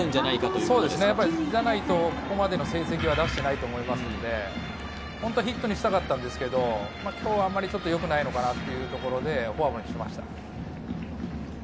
そうじゃないと、ここまでの成績は出していないと思いますので、本当はヒットにしたかったんですけど、今日はあまりよくないのかなというところでフォアボールにしました。